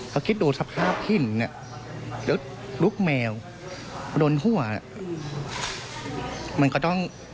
เค้าคิดดูสภาพธิบแล้วลูกแมวโดนหั่วก็ต้อง